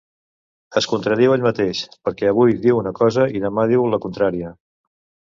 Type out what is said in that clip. Es contradiu ell mateix, perquè avui diu una cosa i demà diu la contrària.